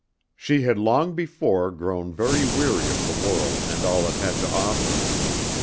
She had long before grown very weary of the world and all it had to offer.